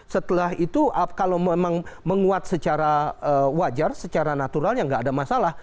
setelah itu kalau memang menguat secara wajar secara naturalnya nggak ada masalah